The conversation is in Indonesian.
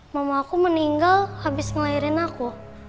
mamaku meninggal habis ngelahirin aku